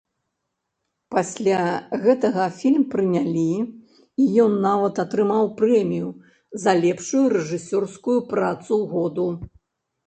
Пасля гэтага фільм прынялі, і ён нават атрымаў прэмію за лепшую рэжысёрскую працу году.